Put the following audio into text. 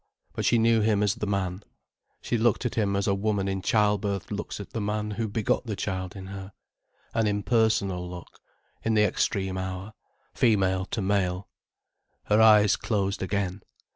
But she knew him as the man. She looked at him as a woman in childbirth looks at the man who begot the child in her: an impersonal look, in the extreme hour, female to male. Her eyes closed again.